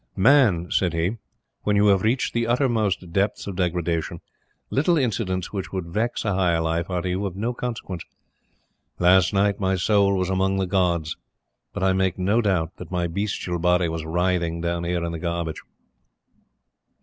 "Man," said he, "when you have reached the uttermost depths of degradation, little incidents which would vex a higher life, are to you of no consequence. Last night, my soul was among the gods; but I make no doubt that my bestial body was writhing down here in the garbage."